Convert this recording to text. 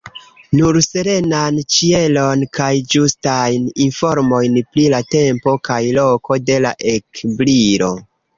Nur serenan ĉielon kaj ĝustajn informojn pri la tempo kaj loko de la ekbrilo.